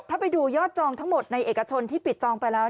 ถ้าไปดูยอดจองทั้งหมดในเอกชนที่ปิดจองไปแล้ว